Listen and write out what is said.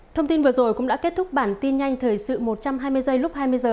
thông tin vừa rồi cũng đã kết thúc bản tin nhanh thời sự một trăm hai mươi giây lúc hai mươi h